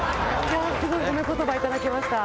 いやあすごい褒め言葉いただきました。